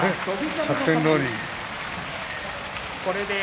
作戦どおり。